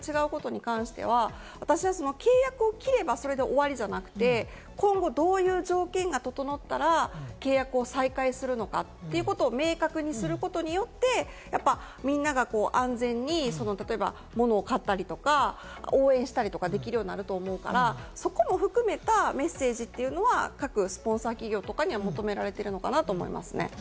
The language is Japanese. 各企業の対応が違うことに関しては、私は契約を切れば、それで終わりじゃなくて、今後どういう条件が整ったら、契約を再開するのかということを明確にすることによって、みんなが安全に、例えば物を買ったりとか、応援したりとかできるようになると思うから、そこも含めたメッセージは各スポンサー企業とかに求められているのかなと思いますね。